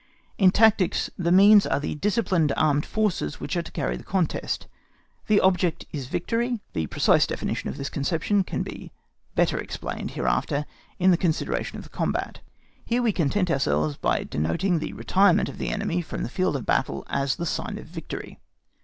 In tactics the means are the disciplined armed forces which are to carry on the contest. The object is victory. The precise definition of this conception can be better explained hereafter in the consideration of the combat. Here we content ourselves by denoting the retirement of the enemy from the field of battle as the sign of victory.